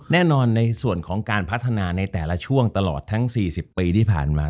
แน่นอนในส่วนของการพัฒนาในแต่ละช่วงตลอดทั้ง๔๐ปีที่ผ่านมา